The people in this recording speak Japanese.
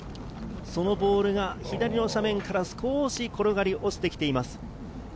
そのボールが左の斜面から少し転がり落ちてきています。